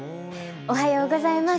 おはようございます。